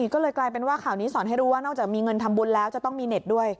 ก็เลยกลายเป็นว่าข่าวนี้สอนให้รู้ว่านอกจากมีเงินทำบุญแล้วจะต้องมีเน็ตด้วย